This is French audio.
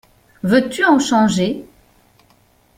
Veux-tu en changer ?